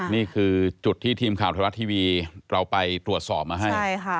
นี่คือจุดที่ทีมข่าวไทยรัฐทีวีเราไปตรวจสอบมาให้